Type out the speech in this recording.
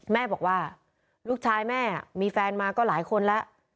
แม่บอกว่าลูกชายแม่มีแฟนมาก็หลายคนแล้ว